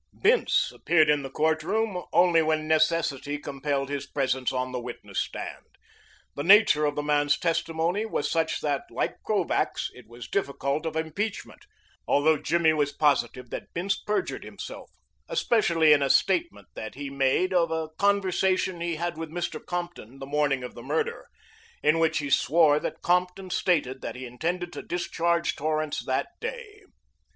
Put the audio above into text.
Bince appeared in the court room only when necessity compelled his presence on the witness stand. The nature of the man's testimony was such that, like Krovac's, it was difficult of impeachment, although Jimmy was positive that Bince perjured himself, especially in a statement that he made of a conversation he had with Mr. Compton the morning of the murder, in which he swore that Compton stated that he intended to discharge Torrance that day.